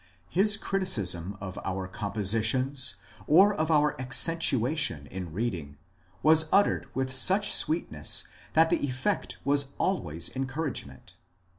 His criticism of our compositions, or of our accen tuation in reading, was uttered with such sweetness that the effect was always encouragement.